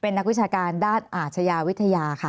เป็นนักวิชาการด้านอาชญาวิทยาค่ะ